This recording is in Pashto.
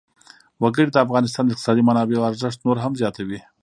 وګړي د افغانستان د اقتصادي منابعو ارزښت نور هم زیاتوي.